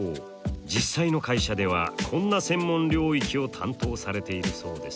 実際の会社ではこんな専門領域を担当されているそうです。